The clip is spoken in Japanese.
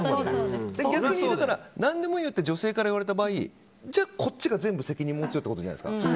逆に何でもいいよって女性から言われた場合こっちが責任持つよということじゃないですか。